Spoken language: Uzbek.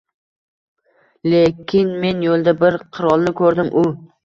— Lekin men yo‘lda bir qirolni ko‘rdim, u...